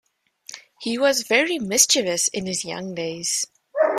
He was very mischievous in his young days.